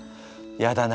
やだな。